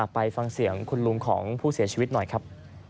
ไปฟังเสียงคุณลุงของผู้เสียชีวิตหน่อยครับ